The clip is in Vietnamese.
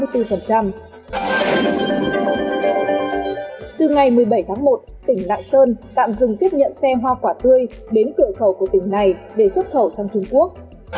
từ ngày một mươi bảy tháng một tỉnh lạng sơn tạm dừng tiếp nhận xe hoa quả tươi đến cửa khẩu của tỉnh này để xuất khẩu sang trung quốc